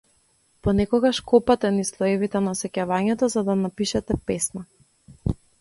Понекогаш копате низ слоевите на сеќавањето за да напишете песна.